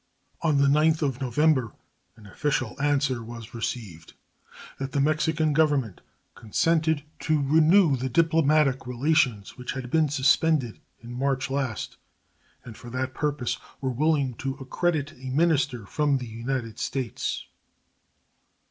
On the 9th of November an official answer was received that the Mexican Government consented to renew the diplomatic relations which had been suspended in March last, and for that purpose were willing to accredit a minister from the United States.